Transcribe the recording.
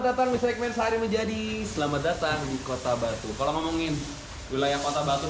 datang di segmen sehari menjadi selamat datang di kota batu kalau ngomongin wilayah kota batu